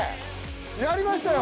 やりましたよ。